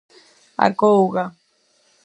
Acouga!